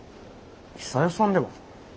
久代さんでは？